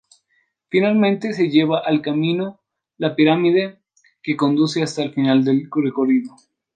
Finalmente se llega al camino La Pirámide, que conduce hasta el final del recorrido.